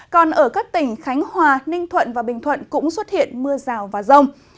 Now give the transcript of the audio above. còn ở các tỉnh khánh hòa ninh thuận và bình thuận cũng xuất hiện mưa rào và rông